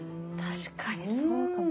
確かにそうかも。